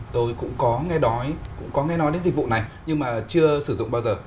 tôi cũng có nghe nói đến dịch vụ này nhưng mà chưa sử dụng bao giờ